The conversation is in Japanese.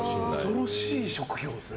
恐ろしい職業ですね。